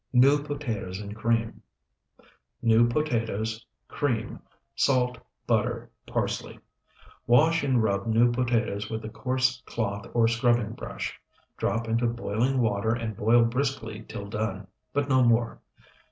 NEW POTATOES AND CREAM New potatoes. Cream. Salt. Butter. Parsley. Wash and rub new potatoes with a coarse cloth or scrubbing brush; drop into boiling water and boil briskly till done, but no more.